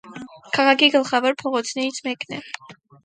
Քաղաքի գլխավոր փողոցներից մեկն է։